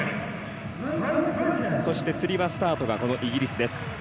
そしてつり輪スタートがイギリス。